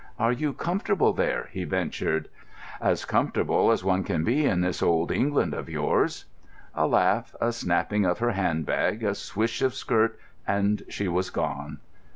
"Are you comfortable there?" he ventured. "As comfortable as one can be in this old England of yours." A laugh, a snapping of her handbag, a swish of skirt, and she was gone.